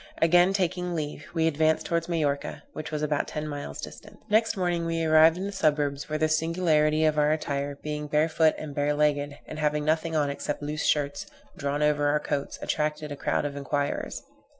Again taking leave, we advanced towards Majorca, which was about ten miles distant. Next morning we arrived in the suburbs, where the singularity of our attire, being barefoot and bare legged, and having nothing on except loose shirts, drawn over our coats, attracted a crowd of enquirers.